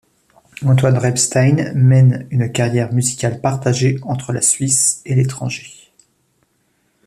Antoine Rebstein mène une carrière musicale partagée entre la Suisse et l'étranger.